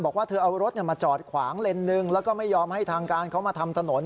บอกว่าเธอเอารถมาจอดขวางเลนส์หนึ่งแล้วก็ไม่ยอมให้ทางการเขามาทำถนน